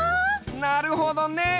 なるほどね！